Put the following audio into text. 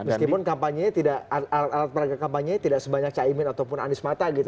meskipun kampanyenya tidak alat alat peragak kampanye tidak sebanyak caimin ataupun anies mata gitu